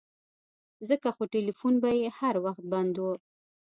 ځکه خو ټيلفون به يې هر وخت بند و.